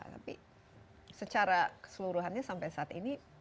tapi secara keseluruhannya sampai saat ini